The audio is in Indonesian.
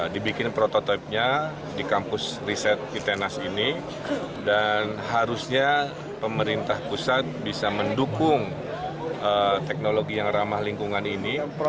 dibikin prototipenya di kampus riset itenas ini dan harusnya pemerintah pusat bisa mendukung teknologi yang ramah lingkungan ini